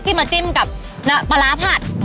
มาจิ้มกับปลาร้าผัด